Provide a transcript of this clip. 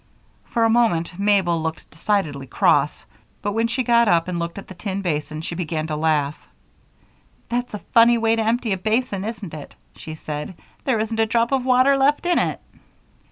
For a moment Mabel looked decidedly cross, but when she got up and looked at the tin basin, she began to laugh. "That's a funny way to empty a basin, isn't it?" she said. "There isn't a drop of water left in it."